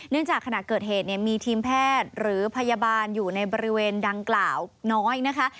จากขณะเกิดเหตุเนี่ยมีทีมแพทย์หรือพยาบาลอยู่ในบริเวณดังกล่าวน้อยนะคะ